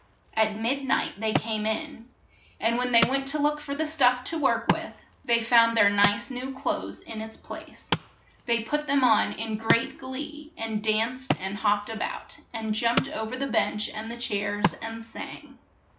At mid night they came in, and when they went to look for the stuff to work with, they found their nice new clothes in its place. They put them on in great glee, and danced and hopped a bout, and jumped o ver the bench and the chairs, and sang.